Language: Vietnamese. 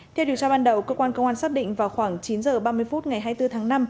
theo điều tra ban đầu cơ quan công an xác định vào khoảng chín h ba mươi phút ngày hai mươi bốn tháng năm